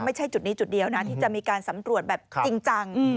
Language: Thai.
ไม่ใช่จุดนี้จุดเดียวนะที่จะมีการสำรวจแบบจริงจัง